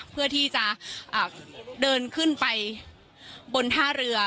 เพื่อที่จะเดินขึ้นไปบนท่าเรือ